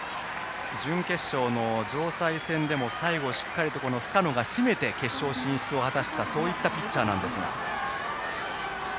準決勝の城西戦でも最後、しっかりと深野が締めて決勝進出を果たしたそういったピッチャーです。